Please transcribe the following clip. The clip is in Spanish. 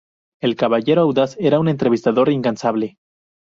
El Caballero Audaz era un entrevistador incansable.